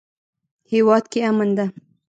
هیواد کې امن ده